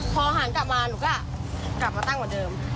พอหันกลับมาหนูก็กลับมาตั้งเหมือนเดิม